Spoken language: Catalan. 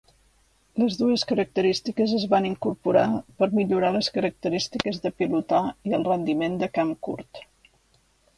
Les dues característiques es van incorporar per millorar les característiques de pilotar i el rendiment de camp curt.